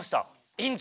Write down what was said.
院長